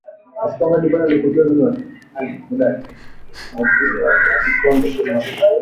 maziwa kikombe kimoja